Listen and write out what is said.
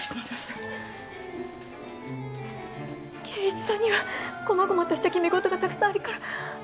圭一さんにはこまごまとした決め事がたくさんあるから。